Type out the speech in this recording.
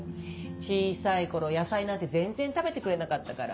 小さい頃野菜なんて全然食べてくれなかったから。